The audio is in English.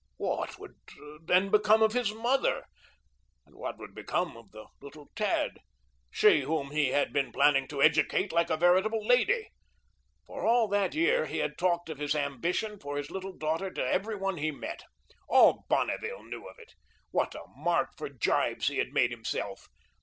What would then become of his mother and what would become of the little tad? She, whom he had been planning to educate like a veritable lady. For all that year he had talked of his ambition for his little daughter to every one he met. All Bonneville knew of it. What a mark for gibes he had made of himself.